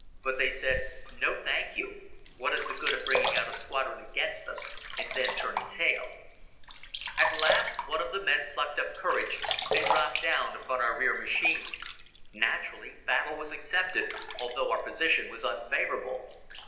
But they said: No, thank you. What is the good of bringing out a squadron against us and then turning tail? At last, one of the men plucked up courage and dropped down upon our rear machine. Naturally battle was accepted although our position was unfavorable.